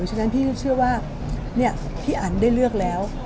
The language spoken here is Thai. ฉะนั้นพี่เชื่อว่าพี่อันได้เลือกแล้ว